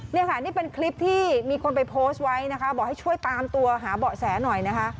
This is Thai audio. นี่ค่ะนี่เป็นคลิปที่มีคนไปโพสต์ไว้นะคะบอกให้ช่วยตามตัวหาเบาะแสหน่อยนะคะ